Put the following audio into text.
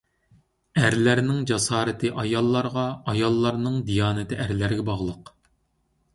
ئەرلەرنىڭ جاسارىتى ئاياللارغا، ئاياللارنىڭ دىيانىتى ئەرلەرگە باغلىق.